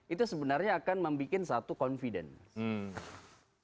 itu sebenarnya akan membuat satu confidence